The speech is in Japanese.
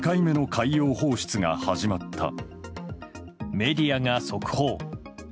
メディアが速報。